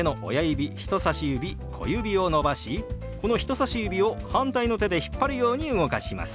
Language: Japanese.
人さし指小指を伸ばしこの人さし指を反対の手で引っ張るように動かします。